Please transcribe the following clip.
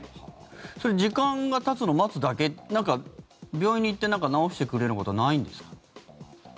それ時間がたつのを待つだけ病院に行って治してくれることはないんですか？